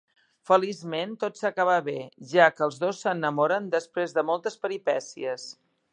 Feliçment, tot s'acaba bé, ja que els dos s'enamoren després de moltes peripècies.